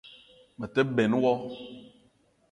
Me te benn wo